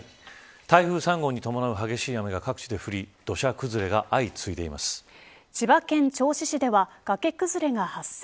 台風３号に伴う激しい雨が各地で降り千葉県銚子市では崖崩れが発生。